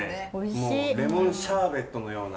もうレモンシャーベットのような。